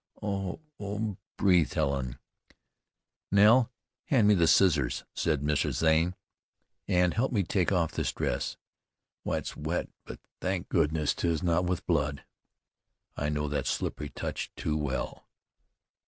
"Oh! Oh!" breathed Helen. "Nell, hand me the scissors," said Mrs. Zane, "and help me take off this dress. Why, it's wet, but, thank goodness! 'tis not with blood. I know that slippery touch too well.